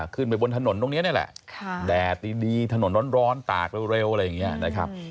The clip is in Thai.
ขึ้นไปบนถนนตรงนี้นี่แหละแดดดีถนนร้อนตากเร็วอะไรอย่างนี้นะครับ